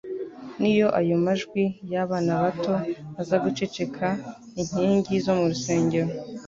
N’iyo ayo majwi y’abana bato aza guceceka inkingi zo mu rusengero